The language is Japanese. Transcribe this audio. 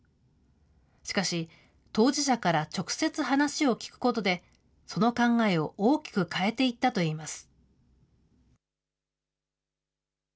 しかし、当事者から直接話を聞くことで、その考えを大きく変えていったといいます。